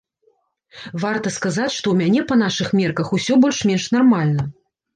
Варта сказаць, што ў мяне па нашых мерках усё больш-менш нармальна.